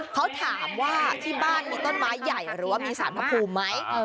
เขาถามว่าที่บ้านมีต้นไม้ใหญ่หรือว่ามีสารพระภูมิไหม